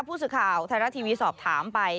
ผู้สื่อข่าวไทยรัฐทีวีสอบถามไป